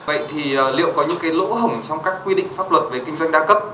vậy thì liệu có những cái lỗ hổng trong các quy định pháp luật về kinh doanh đa cấp